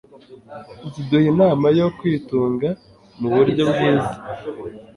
ziduha inama yo kwitunga mu buryo bwiza